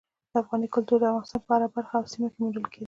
افغاني کلتور د افغانستان په هره برخه او سیمه کې موندل کېدی شي.